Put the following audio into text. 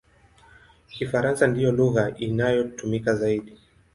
Kifaransa ndiyo lugha inayotumika zaidi.